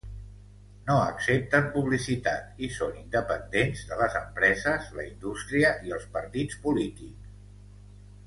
No accepten publicitat i són independents de les empreses, la indústria i els partits polítics.